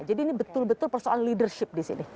jadi ini betul betul persoalan leadership di sini